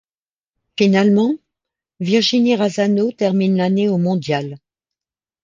Finalement, Virginie Razzano termine l'année au mondial.